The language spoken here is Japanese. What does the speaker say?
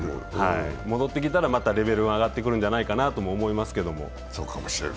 戻ってきたらまたレベルが上がってくるんじゃないかなと思いますけど。